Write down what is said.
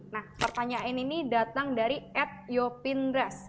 nah pertanyaan ini datang dari ad yopindres